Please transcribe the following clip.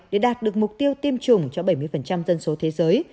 để đạt được mục tiêu tiêm chủng cho bảy mươi dân số thế giới